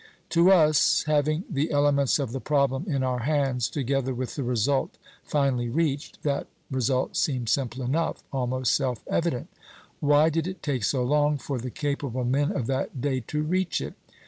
To us, having the elements of the problem in our hands, together with the result finally reached, that result seems simple enough, almost self evident. Why did it take so long for the capable men of that day to reach it?